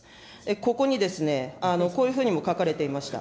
ここにですね、こういうふうにも書かれていました。